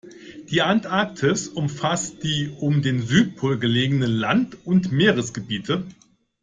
Die Antarktis umfasst die um den Südpol gelegenen Land- und Meeresgebiete.